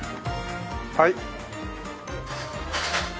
はい。